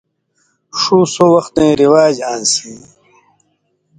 ݜُو، سو وختیں رِواج آن٘سیۡ،